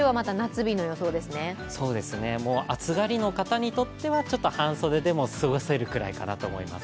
暑がりの方にとってはちょっと半袖でも過ごせるくらいかなと思います。